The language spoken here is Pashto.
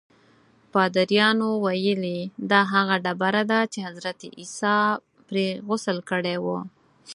پادریانو ویلي دا هغه ډبره ده چې حضرت عیسی پرې غسل کړی و.